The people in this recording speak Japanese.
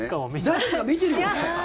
誰か見てるよね。